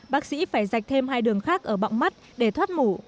bác sĩ phải dạch thêm hai đường khác ở bọng mắt để thoát mủ